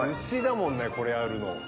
牛だもんねこれあるの。